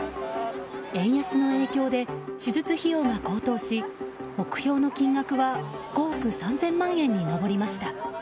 円安の影響で手術費用が高騰し目標の金額は５億３０００万円に上りました。